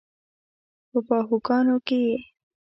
په باهوګانو کې یې